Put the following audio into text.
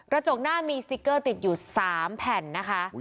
จกหน้ามีสติ๊กเกอร์ติดอยู่๓แผ่นนะคะ